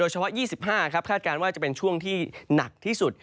เฉพาะ๒๕ครับคาดการณ์ว่าจะเป็นช่วงที่หนักที่สุด